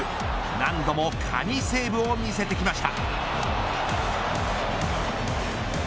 何度も神セーブを見せてきました。